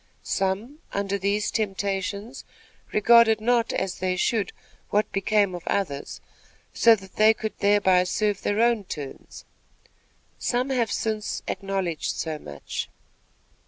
Some, under these temptations, regarded not as they should what became of others, so that they could thereby serve their own turns. Some have since acknowledged so much.